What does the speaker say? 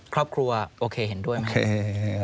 ครอบครัวโอเคเห็นด้วยไหม